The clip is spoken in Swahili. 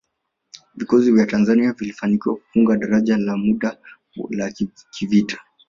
Vikosi vya Tanzania vilifanikiwa kufunga daraja la muda la kivita